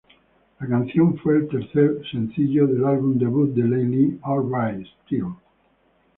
La canción fue el tercer sencillo del álbum debut de Lily, Alright, Still.